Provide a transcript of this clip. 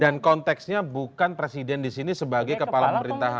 dan konteksnya bukan presiden disini sebagai kepala pemerintahan